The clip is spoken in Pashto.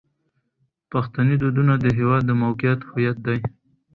پښتني دودونه د هیواد د قومونو هویت دی.